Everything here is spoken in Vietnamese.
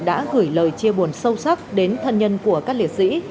đã gửi lời chia buồn sâu sắc đến thân nhân của các liệt sĩ